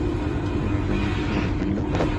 বিনোদিনী কহিল, খোলা যে?